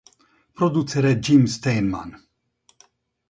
Producere Jim Steinman.